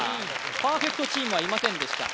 パーフェクトチームはいませんでした